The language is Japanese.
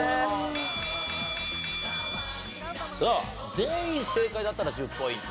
全員正解だったら１０ポイント。